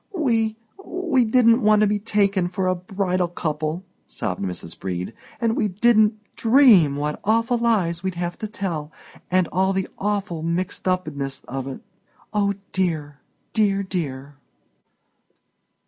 "W W W We didn't want to be t t taken for a b b b b bridal couple," sobbed Mrs. Brede; "and we d d didn't dream what awful lies we'd have to tell, and all the aw awful mixed up ness of it. Oh, dear, dear, dear!"